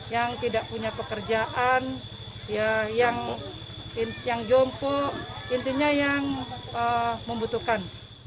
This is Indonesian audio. yang tidak punya pekerjaan yang jompo intinya yang membutuhkan